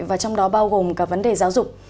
và trong đó bao gồm cả vấn đề giáo dục